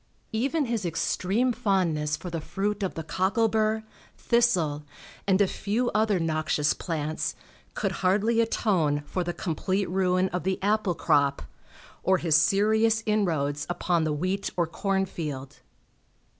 Even his extreme fondness for the fruit of the cockle bur, thistle, and a few other noxious plants, could hardly atone for the complete ruin of the apple crop, or his serious inroads upon the wheat or corn field.